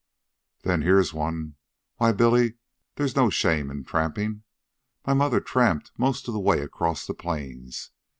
"Then here's one. Why, Billy, there's no shame in tramping. My mother tramped most of the way across the Plains.